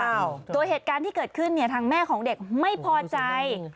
ตัวเหตุการณ์ที่เกิดขึ้นเนี่ยทางแม่ของเด็กไม่พอใจ